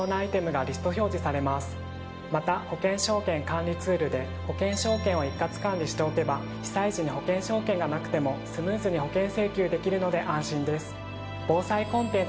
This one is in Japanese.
また「保険証券管理ツール」で保険証券を一括管理しておけば被災時に保険証券がなくてもスムーズに保険請求できるので安心です。